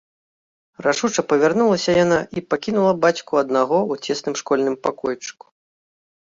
Рашуча павярнулася яна і пакінула бацьку аднаго ў цесным школьным пакойчыку.